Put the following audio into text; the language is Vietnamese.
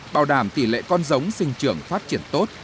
bảo đảm tỷ lệ con giống sinh trưởng phát triển tốt